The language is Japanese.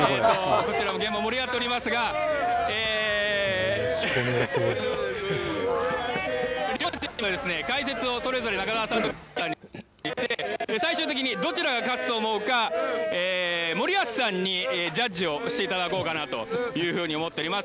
こちらの現場も盛り上がっておりますが両チームの解説をそれぞれ中澤さんと憲剛さんにしていただいて、最終的にどちらが勝つと思うか、森保さんにジャッジをしていただこうかなというふうに思っております。